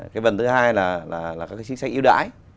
cái vần thứ hai là các cái chính sách yếu đải